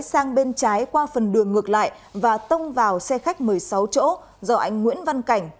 sang bên trái qua phần đường ngược lại và tông vào xe khách một mươi sáu chỗ do anh nguyễn văn cảnh